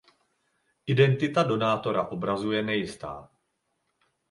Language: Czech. Identita donátora obrazu je nejistá.